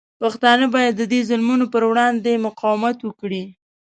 پښتانه باید د دې ظلمونو پر وړاندې مقاومت وکړي.